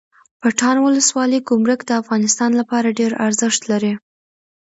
پټان ولسوالۍ ګمرک د افغانستان لپاره ډیره ارزښت لري